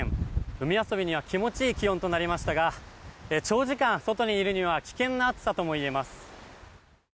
海遊びには気持ちいい気温となりましたが長時間外にいるには危険な暑さともいえます。